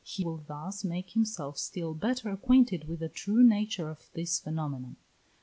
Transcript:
He will thus make himself still better acquainted with the true nature of this phenomenon. 412.